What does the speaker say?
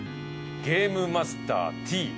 ゲームマスターＴ」。